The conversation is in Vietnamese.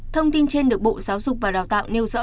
thông tin trên được bộ giáo dục và đào tạo nêu rõ